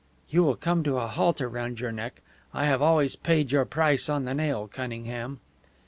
"You will come to a halter round your neck. I have always paid your price on the nail, Cunningham."